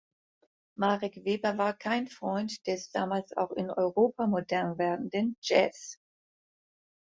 Marek Weber war kein Freund des damals auch in Europa modern werdenden Jazz.